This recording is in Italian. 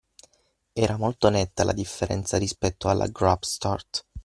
Era molto netta la differenza rispetto alla grap start